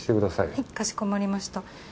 はいかしこまりました。